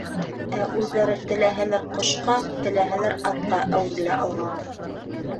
Ә үҙҙәре теләһәләр ҡошҡа, теләһәләр атҡа әүерелә алған.